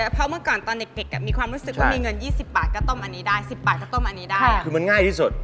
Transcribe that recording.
เพราะเมื่อก่อนตอนเด็กมีความรู้สึกว่ามีเงิน๒๐บาทก็ต้มอันนี้ได้